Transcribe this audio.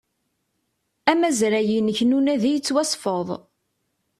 Amazray-inek n unadi yettwasfed